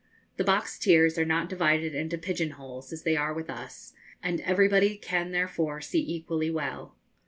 The box tiers are not divided into pigeon holes, as they are with us, and everybody can therefore see equally well.